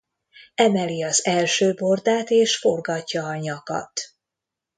Emeli az első bordát és forgatja a nyakat.